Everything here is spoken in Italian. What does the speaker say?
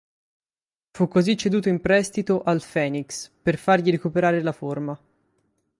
Fu così ceduto in prestito al Fénix, per fargli recuperare la forma.